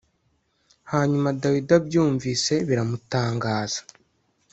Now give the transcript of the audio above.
Hanyuma Dawidi abyumvise biramutangaza